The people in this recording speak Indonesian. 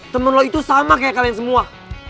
temen lo itu sama kayak kalian semua